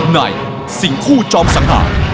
ในสิ่งคู่จอมสังหาร